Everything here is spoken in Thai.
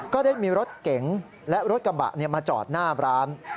ก็ได้มีรถเก๋งและรถกระบะมาจอดหน้าร้าน